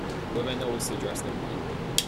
Women also dressed in white.